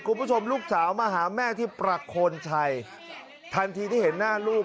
คุณผู้ชมลูกสาวมาหาแม่ที่ประโคนชัยทันทีที่เห็นหน้าลูก